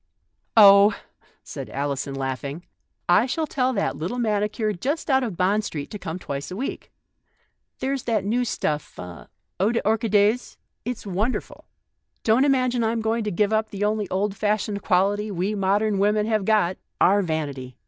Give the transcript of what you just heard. " Oh," said Alison, laughing, " I shall tell that little manicure just out of Bond Street to come twice a week. There's that new stuff, 60 THE 8T0RY OF A MODERN WOMAN. i Eau des OrchidSes '; it's wonderful. Don't imagine I'm going to give up the only old fashioned quality we modern women have got — our vanity.